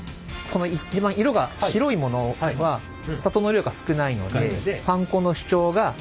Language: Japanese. この一番色が白いものは砂糖の量が少ないのでパン粉の主張が控えめ。